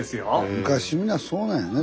昔みんなそうなんやね。